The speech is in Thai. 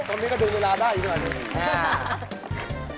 ตอนนี้ก็ดูเวลาได้อีกหน่อย